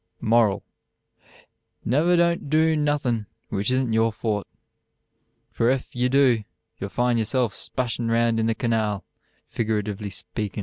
"_Moral: Never don't do nothin' which isn't your Fort, for ef you do you'll find yourself splashin' round in the kanawl, figuratively speakin.